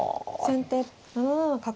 先手７七角。